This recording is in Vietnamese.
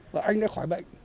và anh đã khỏi bệnh